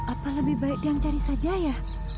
apa lebih baik dia yang cari saja ya